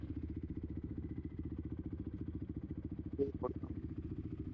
He later joined the Pennsylvania National Guard.